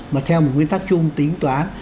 mà theo một nguyên tắc chung tính toán